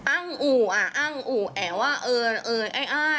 อ้างอู่อ่ะอ้างอู่แอ้ว่าเออเออไอ้ไอ้